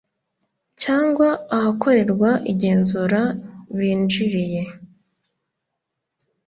Cyangwa ahakorerwa igenzura binjiriye